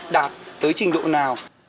đạt tới trình độ nào